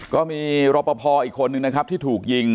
ก็มีรอปภอีกคนนึงนะครับที่ถูกยิง